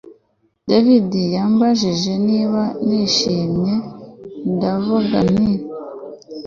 David yambajije niba nishimye ndavuga nti